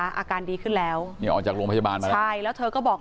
อาการดีขึ้นแล้วนี่ออกจากโรงพยาบาลมาแล้ว